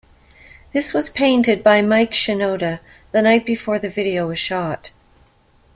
This was painted by Mike Shinoda the night before the video was shot.